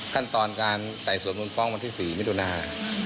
ขั้นตอนการไต่สวนมูลฟ้องวันที่๔มิถุนา